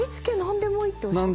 何でもいいです。